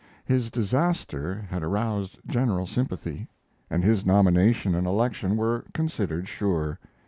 His disaster had aroused general sympathy, and his nomination and election were considered sure.